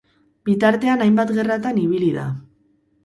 Bitartean hainbat gerratan ibili da.